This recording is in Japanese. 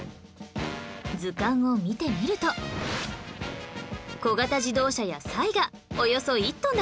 図鑑を見てみると小型自動車やサイがおよそ１トンだとわかります